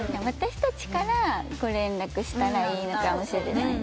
私たちからご連絡したらいいのかもしれない。